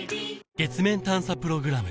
月面探査プログラム